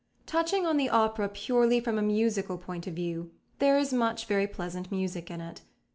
Touching on the opera purely from a musical point of view, there is much very pleasant music in it.